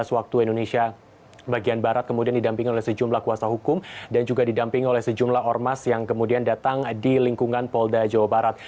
dua belas waktu indonesia bagian barat kemudian didampingi oleh sejumlah kuasa hukum dan juga didampingi oleh sejumlah ormas yang kemudian datang di lingkungan polda jawa barat